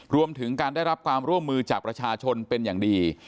รวมถึงการได้รับความร่วมมือจากประชาชนเป็นอย่างดี